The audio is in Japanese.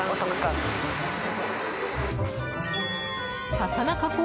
魚加工